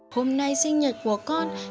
hôm nay sinh nhật của con